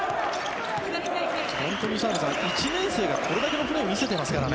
本当に澤部さん１年生がこれだけのプレーを見せていますからね。